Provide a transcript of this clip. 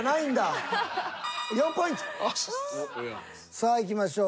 さあいきましょう。